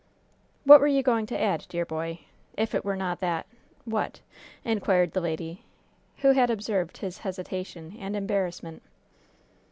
"What were you going to add, dear boy? 'If it were not that' what?" inquired the lady, who had observed his hesitation and embarrassment.